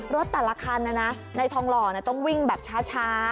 รถแต่ละคันในทองหล่อต้องวิ่งแบบช้า